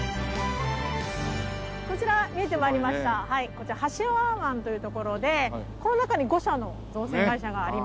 こちら波止浜湾という所でこの中に５社の造船会社があります。